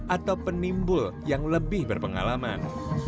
atau penimbul yang lebih berpengalaman